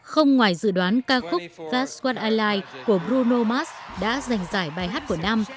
không ngoài dự đoán ca khúc that s what i like của bruno mars đã giành giải bài hát của năm